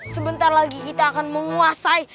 sebentar lagi kita akan menguasai